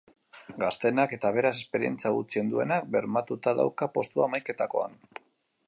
Gazteenak, eta, beraz, esperientzia gutxien duenak bermatuta dauka postua hamaikakoan.